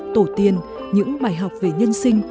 tổ tiên những bài học về nhân sinh